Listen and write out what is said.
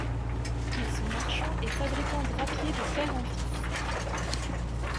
Ils sont marchands et fabricants drapiers de père en fils.